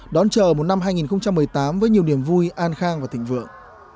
đón chờ một năm hai nghìn một mươi tám với nhiều niềm vui an khang và thịnh vượng